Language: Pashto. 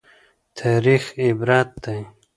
تاریخ عبرت دی